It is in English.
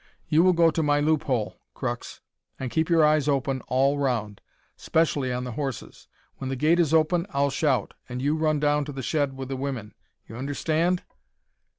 You will go to my loophole, Crux, an keep your eyes open all round specially on the horses. When the gate is open I'll shout, and you'll run down to the shed wi' the women. You understand?"